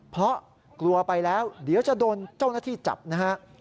เพราะกลัวไปแล้วเดี๋ยวจะโดนเจ้าหน้าที่จับนะฮะ